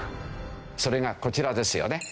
それがこちらですよね。